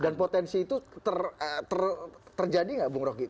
dan potensi itu terjadi gak bung roky